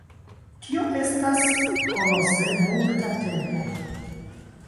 Tio estas kolose multa tempo.